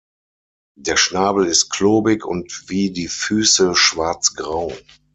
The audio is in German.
Der Schnabel ist klobig und wie die Füße schwarzgrau.